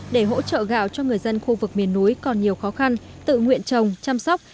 để hỗ trợ gạo cho người dân khu vực miền núi còn nhiều khó khăn tự nguyện trồng chăm sóc